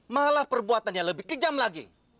malah perbuatan yang lebih kejam lagi